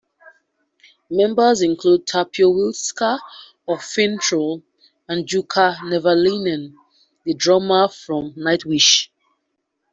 Members include Tapio Wilska of Finntroll and Jukka Nevalainen, the drummer for Nightwish.